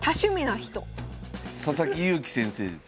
佐々木勇気先生です。